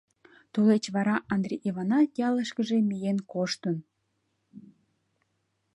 Тулеч вара Андри Иванат ялышкыже миен коштын.